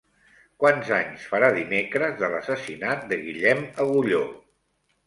Quants anys farà dimecres de l'assassinat de Guillem Agulló?